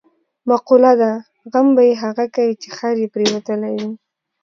مقوله ده: غم به یې هغه کوي، چې خر یې پرېوتلی وي.